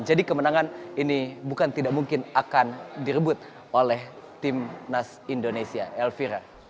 jadi kemenangan ini bukan tidak mungkin akan direbut oleh tim nas indonesia elvira